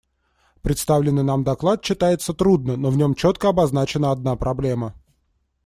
Представленный нам доклад читается трудно, но в нем четко обозначена одна проблема.